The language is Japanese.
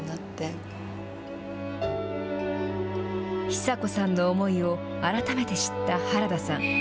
ヒサ子さんの思いを改めて知った原田さん。